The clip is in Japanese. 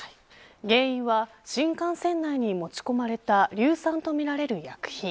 原因は、新幹線内に持ち込まれた硫酸とみられる薬品。